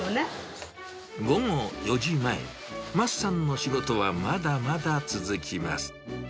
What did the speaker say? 午後４時前、マスさんの仕事はまだまだ続きます。